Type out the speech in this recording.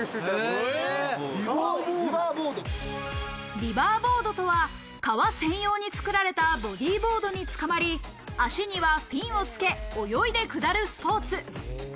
リバーボードとは、川専用に作られたボディーボードにつかまり、足にはフィンを付け、泳いで下るスポーツ。